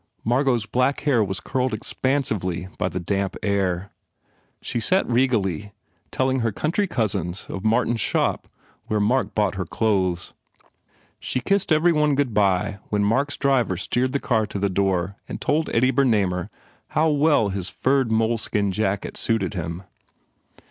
Margot s black hair was curled expansively by the damp air. She sat regally, telling her country cousins of Mastin s shop where Mark bought her clothes. She kissed every one good bye when Mark s driver steered the car to the door and told Eddie Ber namer how well his furred moleskin jacket suited him.